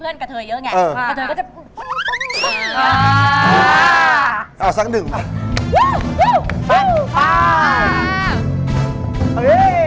เดี๋ยวก่อนนะ